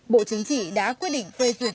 bộ chính trị đã quyết định phê duyệt